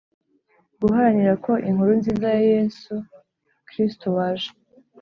guharanira ko inkuru nziza ya yezu kristu waje